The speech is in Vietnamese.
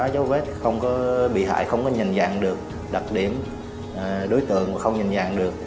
đeo bám các địa bàn